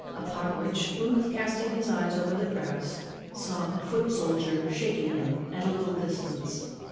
Upon which, Booth, casting his eyes over the grass, saw a foot soldier shaking the boy at a little distance.